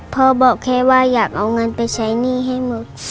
บอกแค่ว่าอยากเอาเงินไปใช้หนี้ให้หมด